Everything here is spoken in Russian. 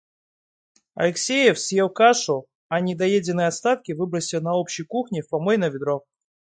Алексеев съел кашу, а недоеденные остатки выбросил на общей кухне в помойное ведро.